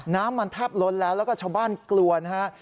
น้ำมันแทบล้นแล้วแล้วก็ชาวบ้านกลัวนะฮะ